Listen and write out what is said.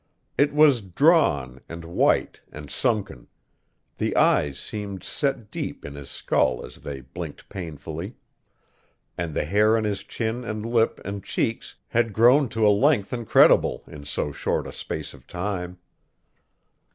It was drawn and white and sunken; the eyes seemed set deep in his skull as they blinked painfully; and the hair on his chin and lip and cheeks had grown to a length incredible in so short a space of time.